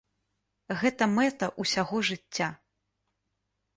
Гэта мэта ўсяго жыцця.